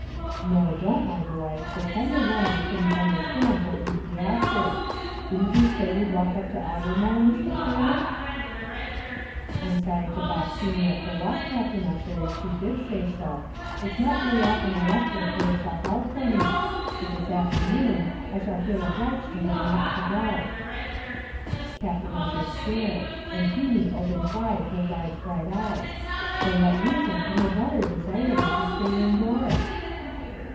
"No, don't, my boy, for ten to one I shouldn't understand what you'd be after. Didn't you say you'd walk up to Aughermore, Miss Macdermot?" "I'm sorry to baulk Feemy of her walk, Captain Ussher, if she did say so. It's not very often I ask her to put herself out for me; but this afternoon, I shall feel obliged to her not to go." Captain Ussher stared, and Feemy opened wide her large bright eyes; for what reason could her brother desire her to stay in doors?